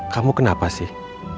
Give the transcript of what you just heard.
kamu kenapa sih